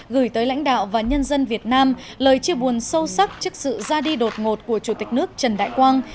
gửi tới lãnh đạo và nhân dân việt nam lời chia buồn sâu sắc trước sự ra đi đột ngột của chủ tịch nước trần đại quang